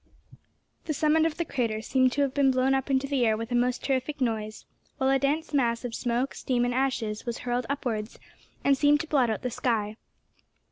The summit of the crater seemed to have been blown up into the air with a most terrific noise, while a dense mass of smoke, steam, and ashes was hurled upwards, and seemed to blot out the sky.